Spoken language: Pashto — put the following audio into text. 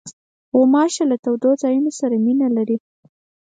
غوماشې له تودو ځایونو سره مینه لري.